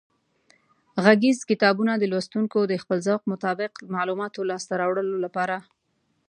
غږیز کتابونه د لوستونکو د خپل ذوق مطابق معلوماتو لاسته راوړلو لپاره